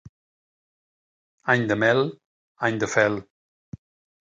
Any de mel, any de fel.